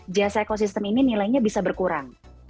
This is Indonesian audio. jasa ekosistem ini nilainya bisa berkurang